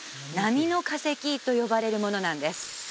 波の化石と呼ばれるものなんです